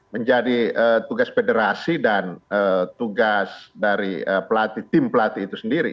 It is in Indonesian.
menjadi tugas federasi dan tugas dari tim pelatih itu sendiri